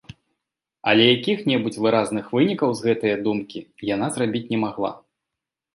Але якіх-небудзь выразных вынікаў з гэтае думкі яна зрабіць не магла.